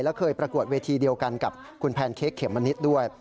และเคยประกวดเวทีเดียวกันกับคุณแพนเค้กเขมมะนิดด้วย